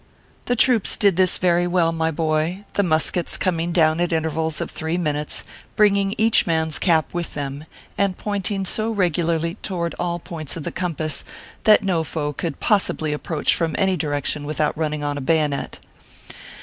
The troops did this very well, my boy, the muskets coming down at intervals of three minutes, bringing each man s cap with them, and pointing so regularly toward all points of the compass, that no foe could possibly approach from any direction without running on a bayonet.